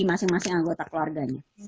masing masing anggota keluarganya